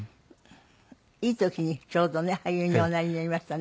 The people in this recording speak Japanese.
いい時にちょうどね俳優におなりになりましたね。